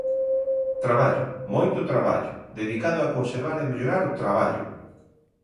Traballo, moito traballo, dedicado a conservar e mellorar o Traballo.